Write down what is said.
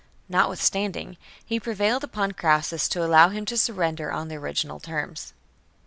Notwithstanding, he prevailed upon Crassus to allow him to surrender on the original terms.